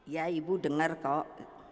ya ibu dengar kok